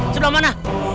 di sebelah mana